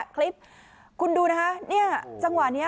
คลิปคุณดูนะครับจังหวะนี้ค่ะ